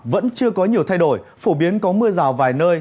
vẫn chưa có nhiều thay đổi phổ biến có mưa rào vài nơi